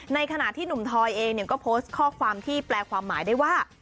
ในขณะที่หนุ่มทอยเองก็โพสต์ข้อความที่แปลความหมายได้ว่า